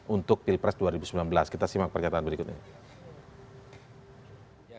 untuk pilpres dua ribu sembilan belas kita simak pernyataan berikut ini